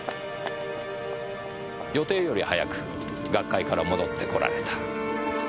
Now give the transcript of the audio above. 予定より早く学会から戻ってこられた。